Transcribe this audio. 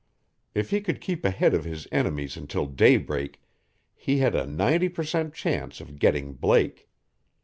If he could keep ahead of his enemies until daybreak he had a ninety percent chance of getting Blake.